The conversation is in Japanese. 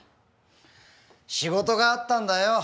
仕事があったんだよ。